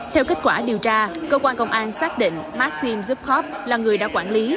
theo kết quả điều tra cơ quan công an xác định maxim zhupcov là người đã quản lý